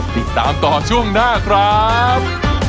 ติดตามต่อช่วงหน้าครับ